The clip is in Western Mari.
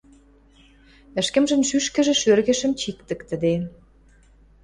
Ӹшкӹмжӹн шӱшкӹжӹ шӧргышым чиктӹктӹде.